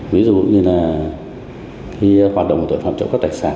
ví dụ như là khi hoạt động tội phạm trộm cắp tài sản